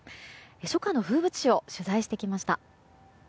初夏の風物詩を取材してきました。